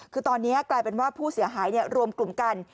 คือตอนนี้กลายเป็นว่าผู้เสียหายรวมกลุ่มกัน